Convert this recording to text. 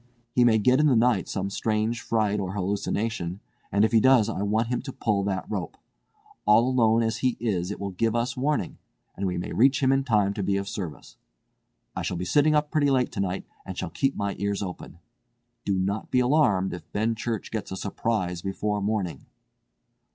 He may get in the night some strange fright or hallucination; and if he does I want him to pull that rope. All alone as he is it will give us warning, and we may reach him in time to be of service. I shall be sitting up pretty late tonight and shall keep my ears open. Do not be alarmed if Benchurch gets a surprise before morning."